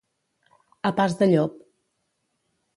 A pas de llop.